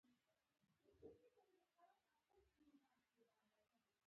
کمي او کیفي څېړنې په پام کې دي.